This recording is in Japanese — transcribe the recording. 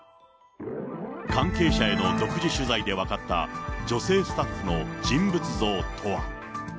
関係者への独自取材で分かった、女性スタッフの人物像とは。